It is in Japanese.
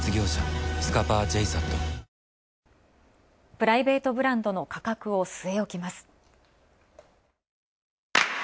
プライベートブランドの価格を据え置きます。